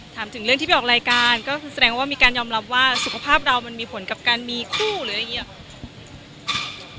ถามถึงเรื่องที่ไปออกรายการก็คือแสดงว่ามีการยอมรับว่าสุขภาพเรามันมีผลกับการมีคู่หรืออะไรอย่างนี้